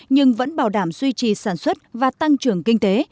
nhưng vẫn bảo đảm duy trì sản xuất và tăng trưởng kinh tế